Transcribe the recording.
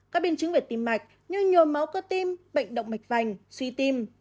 các biên chứng về tim mạch như nhồi máu cơ tim bệnh động mạch vành suy tim